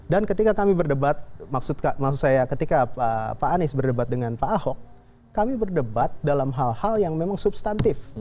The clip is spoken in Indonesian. dan ketika kami berdebat maksud saya ketika pak anies berdebat dengan pak ahok kami berdebat dalam hal hal yang memang substantif